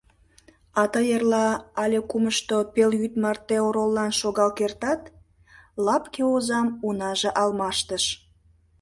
А тый эрла але кумышто пелйӱд марте ороллан шогал кертат? — лапке озам унаже алмаштыш.